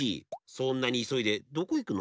そんなにいそいでどこいくの？